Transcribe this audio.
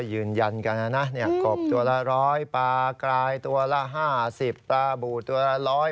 ยืนยันกันนะน่ะเนี้ยกบตัวละร้อยปลากลายตัวละห้าสิบประบูตตัวละร้อย